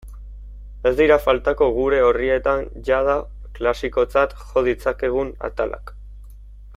Ez dira faltako gure orrietan jada klasikotzat jo ditzakegun atalak.